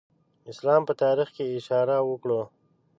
اسلام په تاریخ کې اشاره وکړو.